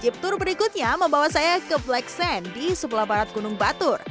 giptur berikutnya membawa saya ke black sand di sebelah barat gunung batur